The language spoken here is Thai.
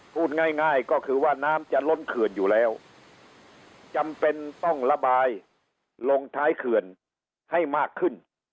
พูดง่ายก็คือว่าน้ำจะล้นเขื่อนอยู่แล้วจำเป็นต้องระบายลงท้ายเขื่อนให้มากขึ้น